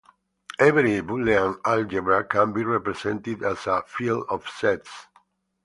Every Boolean algebra can be represented as a field of sets.